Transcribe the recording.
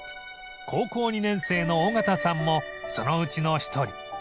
高校２年生の尾方さんもそのうちの一人